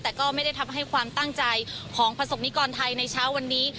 แต่ก็ไม่ได้ทำให้ความตั้งใจของประสบนิกรไทยในเช้าวันนี้